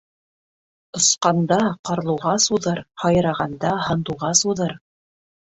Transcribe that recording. Осҡанда ҡарлуғас уҙыр, һайрағанда һандуғас уҙыр.